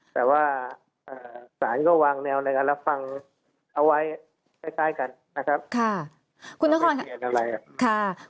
แต่ว่าสารก็วางแนวในการรับฟังเอาไว้ใกล้กัน